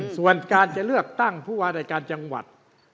ส่วนการจะเลือกตั้งผู้ว่ารายการจังหวัด